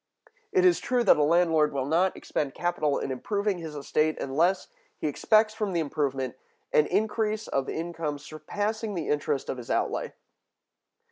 It is true that a landlord will not expend capital in improving his estate unless he expects from the improvement an increase of income surpassing the interest of his outlay.